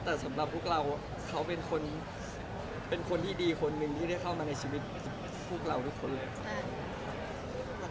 แต่สำหรับพวกเราเขาเป็นคนเป็นคนที่ดีคนหนึ่งที่ได้เข้ามาในชีวิตพวกเราทุกคนเลย